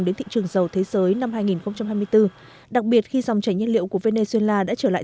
đến thị trường dầu thế giới năm hai nghìn hai mươi bốn đặc biệt khi dòng chảy nhiên liệu của venezuela đã trở lại